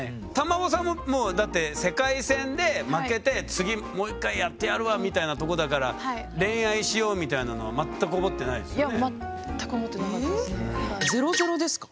瑶生さんももうだって世界戦で負けて次もう１回やってやるわみたいなとこだから恋愛しようみたいなのは全く思ってないですよね？